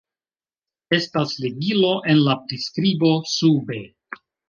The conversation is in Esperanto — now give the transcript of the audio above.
Estas ligilo en la priskribo sube